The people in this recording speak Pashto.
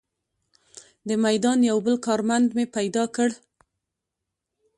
د میدان یو بل کارمند مې پیدا کړ.